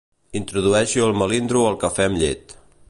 Introdueixo el melindro al cafè amb llet.